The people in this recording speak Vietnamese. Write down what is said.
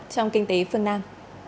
trong kinh tế phương nam